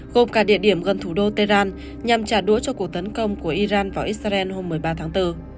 gồm cả địa điểm gần thủ đô tehran nhằm trả đũa cho cuộc tấn công của iran vào israel hôm một mươi ba tháng bốn